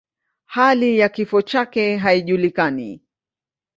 Hali ya kifo chake haijulikani.